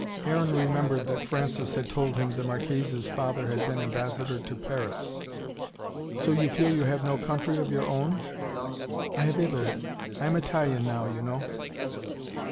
Aaron remembered that Francis had told him, the Marchesa's father had been ambassador to Paris. "So you feel you have no country of your own?" "I have Italy. I am Italian now, you know."